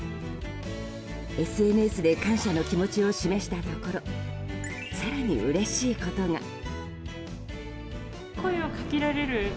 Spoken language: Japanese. ＳＮＳで感謝の気持ちを示したところ更にうれしいことが。